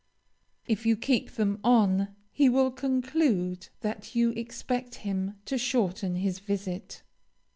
If you keep them on, he will conclude that you expect him to shorten his visit.